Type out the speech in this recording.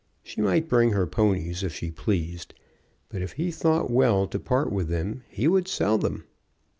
She might bring her ponies if she pleased, but if he thought well to part with them he would sell them.